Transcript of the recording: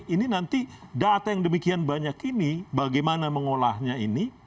ini nanti data yang demikian banyak ini bagaimana mengolahnya ini